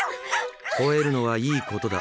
「吠えるのはいいことだ